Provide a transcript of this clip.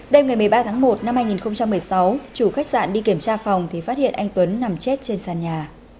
đêm ngày một mươi ba tháng một năm hai nghìn một mươi sáu chủ khách sạn đi kiểm tra phòng thì phát hiện anh tuấn nằm chết trên sàn nhà